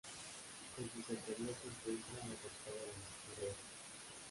En su cercanía se encuentra la cascada de Las Chorreras.